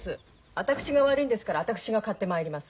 私が悪いんですから私が買ってまいります。